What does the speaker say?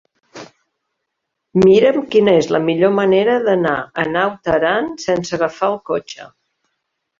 Mira'm quina és la millor manera d'anar a Naut Aran sense agafar el cotxe.